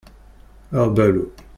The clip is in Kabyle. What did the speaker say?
Aɣbalu.